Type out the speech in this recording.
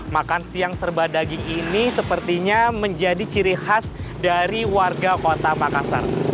makan siang serba daging ini sepertinya menjadi ciri khas dari warga kota makassar